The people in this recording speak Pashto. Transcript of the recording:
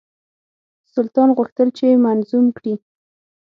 سلطان غوښتل چې منظوم کړي.